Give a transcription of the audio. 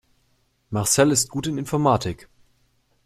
Marcel ist gut in Informatik.